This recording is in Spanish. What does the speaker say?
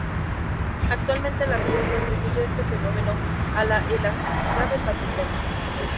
Actualmente la ciencia atribuye este fenómeno a la elasticidad del material.